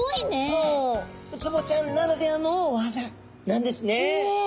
もうウツボちゃんならではのわざなんですね。